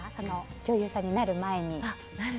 女優さんになる前に。